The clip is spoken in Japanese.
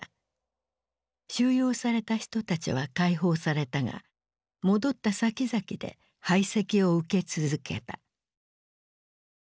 収容された人たちは解放されたが戻ったさきざきで排斥を受け続けた。